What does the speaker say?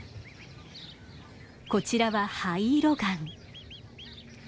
こちらはハイイロガン。